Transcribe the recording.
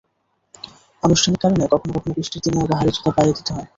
আনুষ্ঠানিক কারণে কখনো কখনো বৃষ্টির দিনেও বাহারি জুতা পায়ে দিতে হয়।